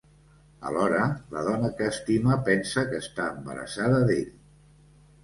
Alhora, la dona que estima pensa que està embarassada d'ell.